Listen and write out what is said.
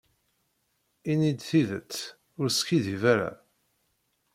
Ini-d tidet, ur skiddib ara.